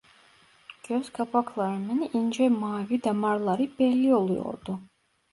Gözkapaklarmın ince mavi damarları belli oluyordu.